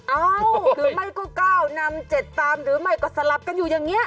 หรือไม่ก็๙นำ๗ตามหรือไม่ก็สลับกันอยู่อย่างนี้